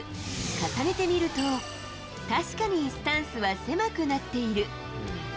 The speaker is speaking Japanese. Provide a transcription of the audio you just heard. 重ねてみると、確かにスタンスは狭くなっている。